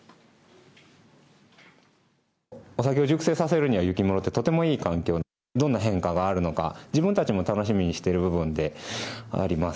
お酒を熟成させるには雪室ってとてもいい環境でどんな変化があるのか自分たちも楽しみにしているんで。